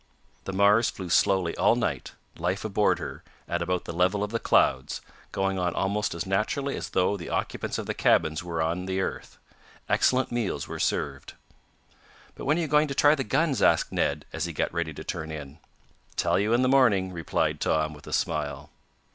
The Mars flew slowly all night, life aboard her, at about the level of the clouds, going on almost as naturally as though the occupants of the cabins were on the earth. Excellent meals were served. "But when are you going to try the guns?" asked Ned, as he got ready to turn in. "Tell you in the morning," replied Tom, with a smile.